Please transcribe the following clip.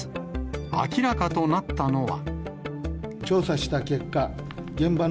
明らかとなったのは。